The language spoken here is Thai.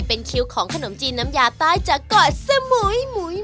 เป็นคิวของขนมจีนน้ำยาใต้จากกรสมุย